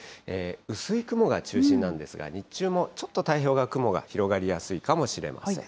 薄い雲が中心なんですが、日中もちょっと太平洋側、雲が広がりやすいかもしれません。